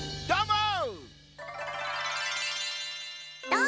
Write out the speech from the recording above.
どうぞ！